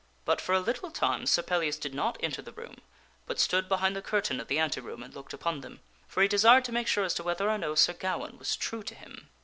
But fora little time Sir Pellias did not enter the room, but stood behind the curtain of the ante room and looked upon them, for he desired to make sure as to whether or no Sir Gawaine was true to him.